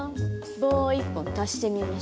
棒を１本足してみました。